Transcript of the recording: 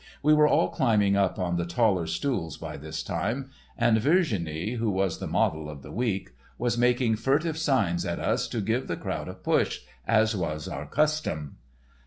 We were all climbing up on the taller stools by this time, and Virginie, who was the model of the week, was making furtive signs at us to give the crowd a push, as was our custom.